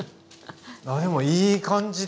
あでもいい感じですよ。